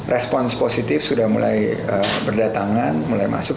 respons positif sudah mulai berdatangan mulai masuk